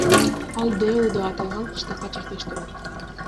Ал ДЭУ деп аталган кыштакка чектеш турат.